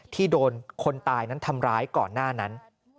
ที่โดนคนตายนั้นทำร้ายก่อนหน้านั้น